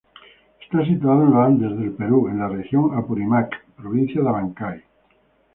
Está situada en los Andes del Perú, en la Región Apurímac, provincia de Abancay.